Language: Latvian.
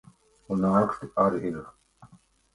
Un auksti ar ir.